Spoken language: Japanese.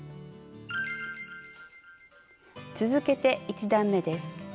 続けて１段めです。